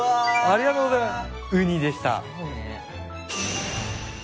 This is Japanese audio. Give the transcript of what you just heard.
ありがとうございます。